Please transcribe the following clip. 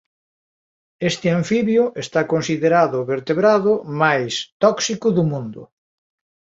Este anfibio está considerado o vertebrado máis tóxico do mundo.